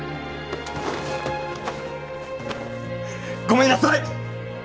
ごめんなさい！